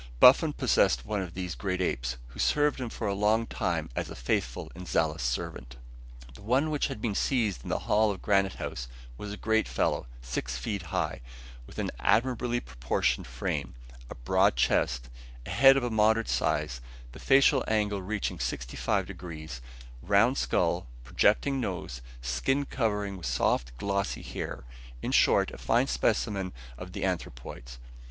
Buffon possessed one of these apes, who served him for a long time as a faithful and zealous servant. [Illustration: CAPTURING THE ORANG] The one which had been seized in the hall of Granite House was a great fellow, six feet high, with an admirably proportioned frame, a broad chest, head of a moderate size, the facial angle reaching sixty five degrees, round skull, projecting nose, skin covered with soft glossy hair, in short, a fine specimen of the anthropoids.